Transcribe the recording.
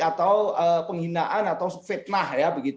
atau penghinaan atau fitnah